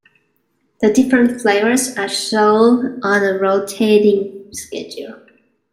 The different flavors are sold on a rotating schedule.